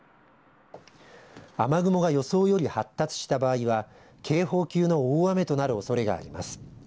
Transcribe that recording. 雨雲が予想より発達した場合は警報級の大雨となるおそれがあります。